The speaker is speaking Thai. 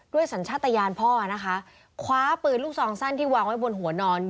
สัญชาติยานพ่อนะคะคว้าปืนลูกซองสั้นที่วางไว้บนหัวนอน